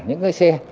để cả những cái xe